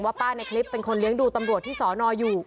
ป้าในคลิปเป็นคนเลี้ยงดูตำรวจที่สอนออยู่